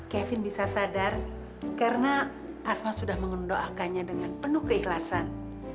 kevin bisa sadar karena asma sudah mengendoakannya dengan penuh keikhlasan